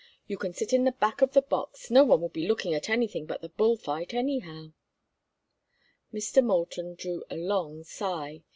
You can sit in the back of the box. No one will be looking at anything but the bull fight, anyhow." Mr. Moulton drew a long sigh.